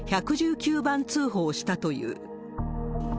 １１９番通報したという。